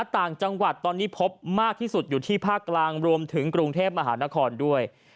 ต่างจังหวัดตอนนี้พบมากที่สุดอยู่ที่ภาคกลางรวมถึงกรุงเทพมหานครด้วย